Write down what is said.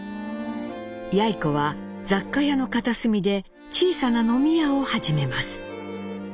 やい子は雑貨屋の片隅で小さな飲み屋を始めます。